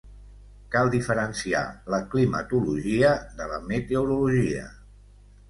Cal diferenciar la climatologia de la meteorologia.